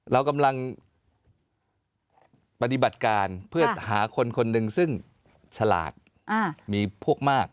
เรากำลังปฏิบัติการเพื่อหาคนคนหนึ่งซึ่งฉลาดมีพวกมาก